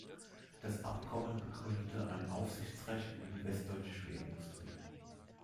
Das Abkommen begründete ein Aufsichtsrecht über die westdeutsche Schwerindustrie.